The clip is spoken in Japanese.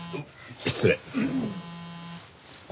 失礼。